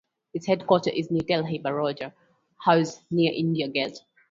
Its headquarter is New Delhi Baroda House near India Gate.